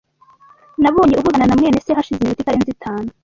Nabonye uvugana na mwene se hashize iminota itarenze itanu.